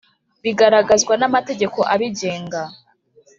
bigaragazwa n amategeko abigenga